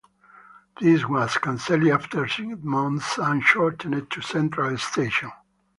This was canceled after six months and shortened to Central Station.